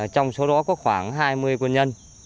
trong số đó có khoảng hai mươi quân nhân